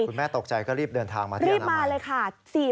คุณแม่ตกใจก็รีบเดินทางมาที่อนามัย